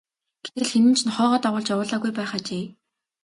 Гэтэл хэн нь ч нохойгоо дагуулж явуулаагүй байх ажээ.